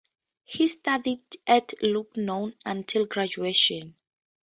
He studied at Lucknow until graduation.